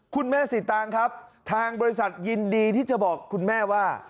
คุณแม่สีตางครับทางบริษัทยินดีที่จะบอกคุณแม่ว่า